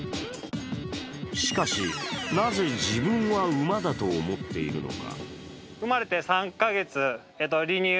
しかし、なぜ自分は馬だと思っているのか？